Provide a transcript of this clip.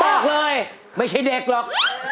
บอกเลยไม่ใช่เด็กหรอก